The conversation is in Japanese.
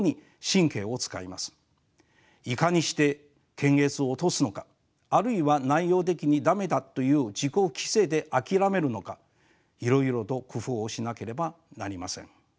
いかにして検閲を通すのかあるいは内容的に駄目だという自己規制で諦めるのかいろいろと工夫をしなければなりません。